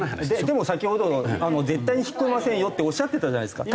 でも先ほど絶対に引っ込めませんよっておっしゃってたじゃないですか。